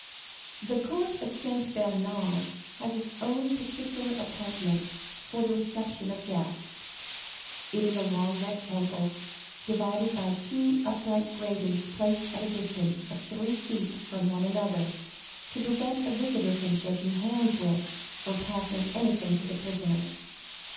The court of Saint Bernard has its own particular apartment for the reception of guests; it is a long rectangle, divided by two upright gratings placed at a distance of three feet from one another to prevent a visitor from shaking hands with or passing anything to the prisoners.